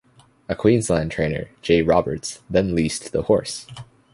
A Queensland trainer, J. Roberts, then leased the horse.